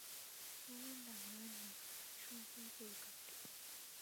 応援団の何人かは泣きそうな表情を浮かべる